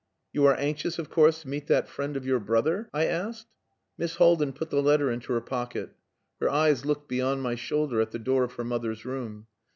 "You are anxious, of course, to meet that friend of your brother?" I asked. Miss Haldin put the letter into her pocket. Her eyes looked beyond my shoulder at the door of her mother's room.